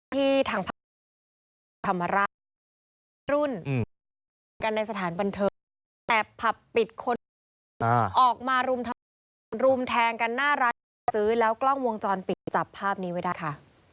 ที่ทางภาพธรรมราชรุ่นในสถานบันเทิงแต่ผับปิดคนออกมารุมรุมแทงกันน่ารักซื้อแล้วกล้องวงจรปิดจับภาพนี้ไว้ได้ค่ะ